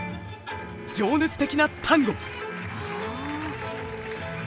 情熱的なタンゴ！